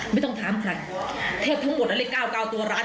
ไม่ต้องถามใครเทพทั้งหมดแล้วเล่นเก้าเก้าตัวร้าน